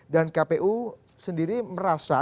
dan kpu sendiri merasa